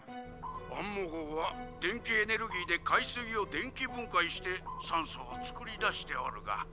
「アンモ号は電気エネルギーで海水を電気分解して酸素を作り出しておるが」。